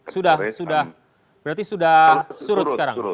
sudah sudah berarti sudah surut sekarang